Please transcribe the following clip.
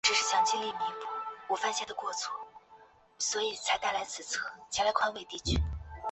当选后她成为新民主党全国党团主席。